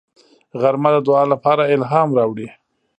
غرمه د دعا لپاره الهام راوړي